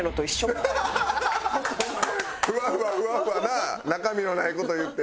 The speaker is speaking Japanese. ふわふわふわふわな中身のない事を言って。